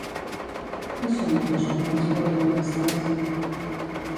Qui són els dos companys protagonistes?